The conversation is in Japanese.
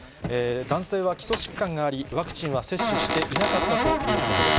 男性は基礎疾患があり、ワクチンは接種していなかったということです。